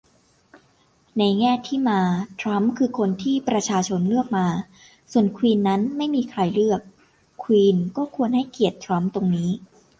ในแง่ที่มา ทรัมป์คือคนที่ประชาชนเลือกมา ส่วนควีนนั้นไม่มีใครเลือก ควีนก็ควรให้เกียรติทรัมป์ตรงนี้